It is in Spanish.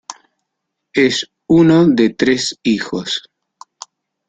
Es uno de tres hijos.